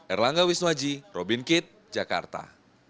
erlangga wisnuaji robin kitt jakarta